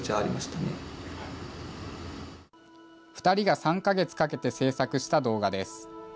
２人が３か月かけて制作した動画です。